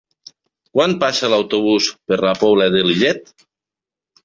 Quan passa l'autobús per la Pobla de Lillet?